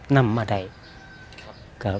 นำมา